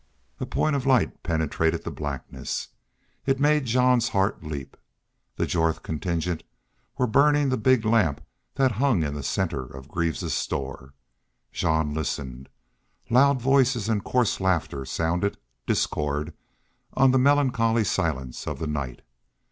A pin point of light penetrated the blackness. It made Jean's heart leap. The Jorth contingent were burning the big lamp that hung in the center of Greaves's store. Jean listened. Loud voices and coarse laughter sounded discord on the melancholy silence of the night.